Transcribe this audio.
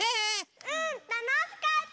うんたのしかった！